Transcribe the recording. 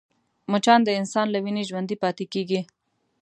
مچان د انسان له وینې ژوندی پاتې کېږي